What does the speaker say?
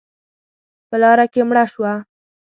_په لاره کې مړه شوه.